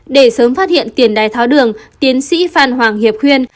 để sớm phát hiện tiền đái tháo đường tiến sĩ phan hoàng hiệp khuyên